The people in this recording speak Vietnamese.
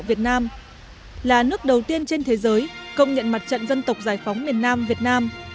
việt nam là nước đầu tiên trên thế giới công nhận mặt trận dân tộc giải phóng miền nam việt nam